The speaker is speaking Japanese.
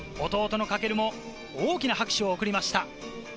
弟の翔も大きな拍手を送りました。